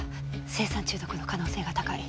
青酸中毒の可能性が高い。